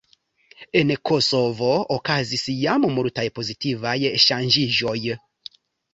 En Kosovo okazis jam multaj pozitivaj ŝanĝiĝoj.